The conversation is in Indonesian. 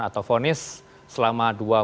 atau fonis selama dua puluh tahun